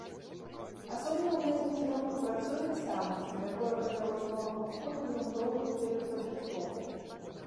Асобна ў гэтым кірунку працуе настаўніцтва, якое павяло з новага году грунтоўную перападрыхтоўку.